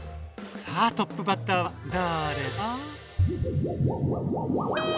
さあトップバッターはだれだ？